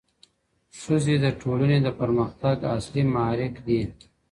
ښځي د ټولني د پرمختګ اصلي محرک دي.